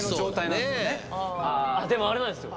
でもあれなんですよ